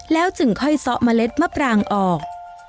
แล้วจึงค่อยซ้อเมล็ดมะปรางออก